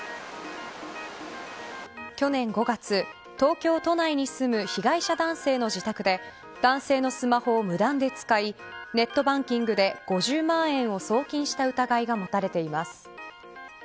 去年５月、東京都内に住む被害者男性の自宅で男性のスマホを無断で使いネットバンキングで５０万円を送金した疑いが持たれています。